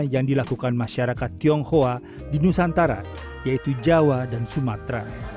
yang dilakukan masyarakat tionghoa di nusantara yaitu jawa dan sumatera